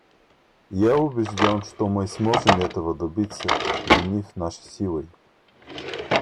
Я убежден, что мы сможем этого добиться, объединив наши силы.